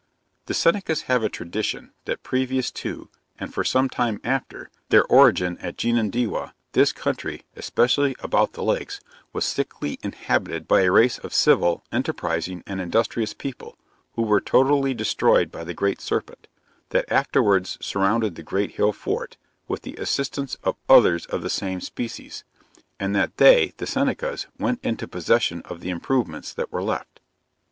The Senecas have a tradition, that previous to, and for some time after, their origin at Genundewah, this country, especially about the lakes, was thickly inhabited by a race of civil, enterprizing and industrious people, who were totally destroyed by the great serpent, that afterwards surrounded the great hill fort, with the assistance of others of the same species; and that they (the Senecas) went into possession of the improvements that were left.